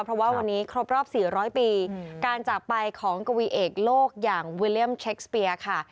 เพราะว่าวันนี้ครบรอบ๔๐๐ปีการจากไปของกวีเอกโลกอย่างวิลเลี่ยมเค็กสเปียค่ะ